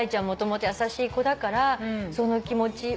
もともと優しい子だからその気持ち。